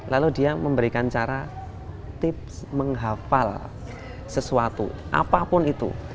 lalu dia memberikan cara tips menghafal sesuatu apapun itu